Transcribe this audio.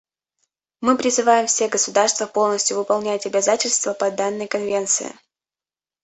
Мы призываем все государства полностью выполнять обязательства по данной Конвенции.